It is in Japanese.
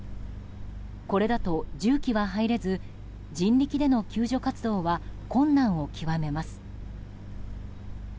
これだと重機は入れず人力での救助活動は困難を極めます。